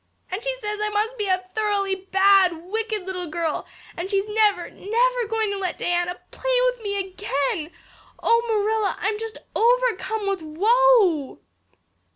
And she says I must be a thoroughly bad, wicked little girl and she's never, never going to let Diana play with me again. Oh, Marilla, I'm just overcome with woe."